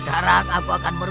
ketawa dan tega dengan medio